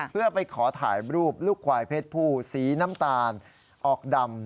เพื่อไปขอถ่ายรูปลูกควายเพศผู้สีน้ำตาลออกดำ